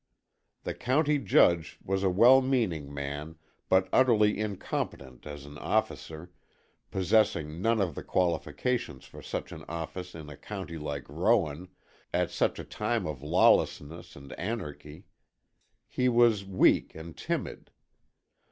The County Judge was a well meaning man, but utterly incompetent as an officer, possessing none of the qualifications for such an office in a county like Rowan at such a time of lawlessness and anarchy. He was weak and timid.